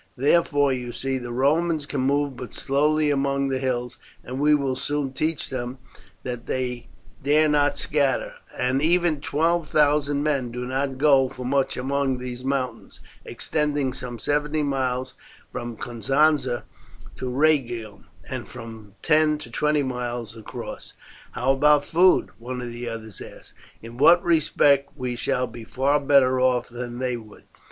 Therefore, you see, the Romans can move but slowly among the hills, and we will soon teach them that they dare not scatter, and even twelve thousand men do not go for much among these mountains, extending some seventy miles from Cosenza to Rhegium, and from ten to twenty miles across. "How about food?" one of the others asked. "In that respect we shall be far better off than they would.